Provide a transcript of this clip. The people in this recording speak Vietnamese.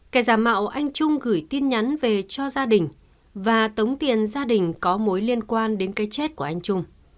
kẻ giả mạo anh trung gửi tin nhắn về cho gia đình và tống tiền gia đình có mối liên quan đến cái chết của anh trung